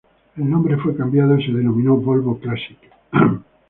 El nombre fue cambiado, y se denominó Volvo Classic.